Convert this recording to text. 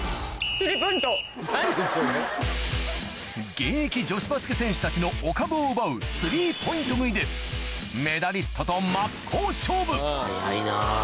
現役女子バスケ選手たちのお株を奪う３ポイント食いでメダリストと真っ向勝負早いな。